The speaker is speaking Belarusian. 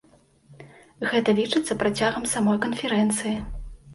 Гэта лічыцца працягам самой канферэнцыі.